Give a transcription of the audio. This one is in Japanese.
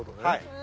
はい。